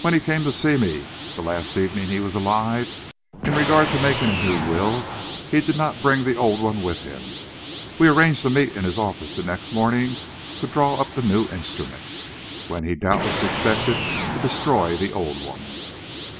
When he came to see me, the last evening he was alive, in regard to making a new will, he did not bring the old one with him. We arranged to meet in his office the next morning to draw up the new instrument, when he doubtless expected to destroy the old one.